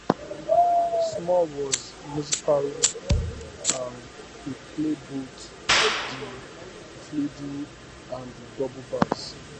Small was musical and could play both the fiddle and the double bass.